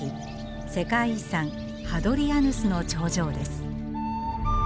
世界遺産ハドリアヌスの長城です。